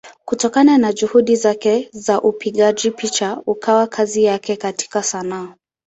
Kutokana na Juhudi zake upigaji picha ukawa kazi yake katika Sanaa.